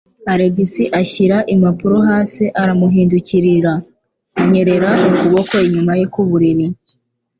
Alex ashyira impapuro hasi aramuhindukirira, anyerera ukuboko inyuma ye ku buriri.